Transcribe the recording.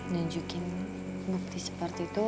tunjukin bukti seperti itu